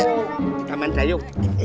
kita mantan yuk